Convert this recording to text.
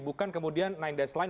bukan kemudian sembilan line